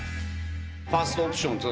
ファーストオプション。